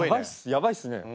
やばいっすね